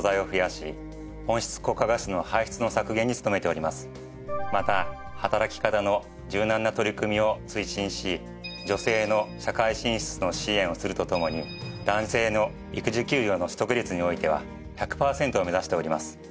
例えばまた働き方の柔軟な取り組みを推進し女性の社会進出の支援をするとともに男性の育児休業の取得率においては１００パーセントを目指しております。